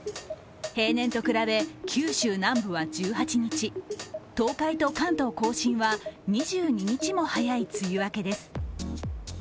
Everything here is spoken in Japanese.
平年と比べ、九州南部は１８日、東海と関東甲信は２２日も早い梅雨明けです。